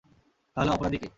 তাহলে অপরাধী কে?